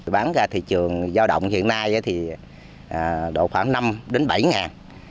bán ra thị trường giao động hiện nay thì độ khoảng năm đến bảy ngàn